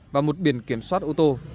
và một biển kiểm soát ô tô